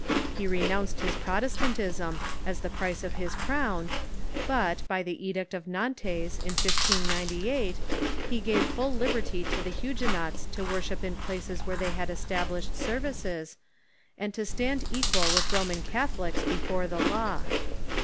He re nounced his Protestantism, as the price of his crown ; but, by the Edict of Nantes, in 1598, he gave full liberty to the Hu guenots to worship in places where they had established ser vices, and to stand equal with Roman Catholics before the law.